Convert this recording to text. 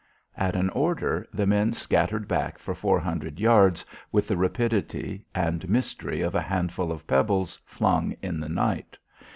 At an order, the men scattered back for four hundred yards with the rapidity and mystery of a handful of pebbles flung in the night.